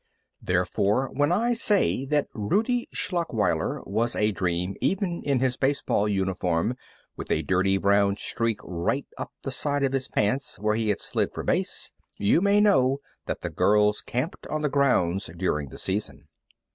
Therefore, when I say that Rudie Schlachweiler was a dream even in his baseball uniform, with a dirty brown streak right up the side of his pants where he had slid for base, you may know that the girls camped on the grounds during the season.